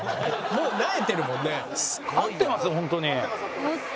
もうなえてるもんね。